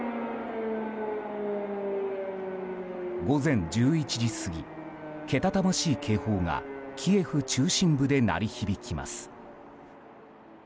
午前１１時過ぎけたたましい警報がキエフ中心部で鳴り響きます。